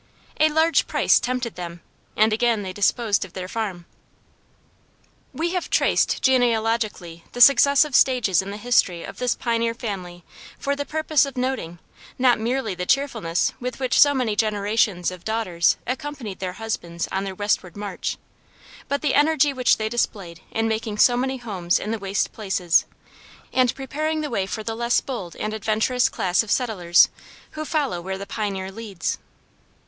A large price tempted them and again they disposed of their farm. We have traced genealogically the successive stages in the history of this pioneer family for the purpose of noting, not merely the cheerfulness with which so many generations of daughters accompanied their husbands on their westward march, but the energy which they displayed in making so many homes in the waste places, and preparing the way for the less bold and adventurous class of settlers who follow where the pioneer leads.